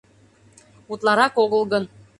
— Утларак огыл гын...